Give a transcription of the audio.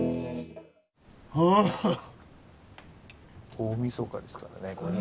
大みそかですからねこれね。